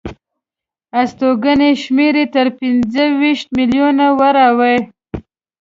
استوګنو یې شمېره تر پنځه ویشت میلیونو وراوړي.